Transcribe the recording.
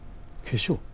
化粧？